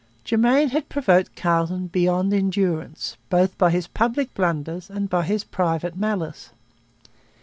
Germain had provoked Carleton past endurance both by his public blunders and by his private malice.